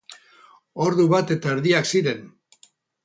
Ordu bat eta erdiak ziren.